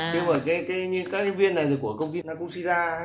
chứ không phải như các cái viên này của công ty naku shira